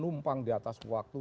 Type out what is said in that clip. menumpang di atas waktu